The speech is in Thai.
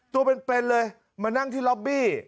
ตัวเป็นเลยมานั่งที่ล็อบบี้